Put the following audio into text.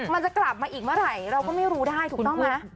มันจะกลับมาอีกเมื่อไหร่เราก็ไม่รู้ได้ถูกต้องไหม